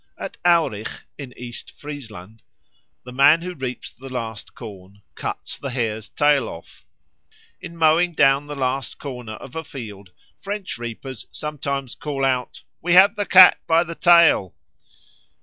At Aurich, in East Friesland, the man who reaps the last corn "cuts the hare's tail off." In mowing down the last corner of a field French reapers sometimes call out, "We have the cat by the tail."